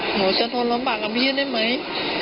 หนูจะทนลำบากกับพี่ได้ไหม